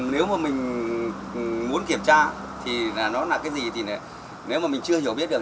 nếu mà mình muốn kiểm tra thì là nó là cái gì thì nếu mà mình chưa hiểu biết được